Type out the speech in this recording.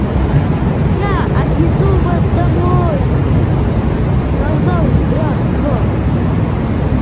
Я мог бы использовать часть отведенного нам времени в пятницу.